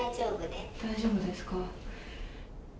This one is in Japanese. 大丈夫ですか。